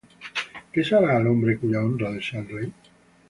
¿Qué se hará al hombre cuya honra desea el rey?